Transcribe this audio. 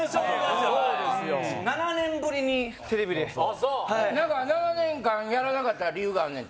そうはい何か７年間やらなかった理由があんねんて？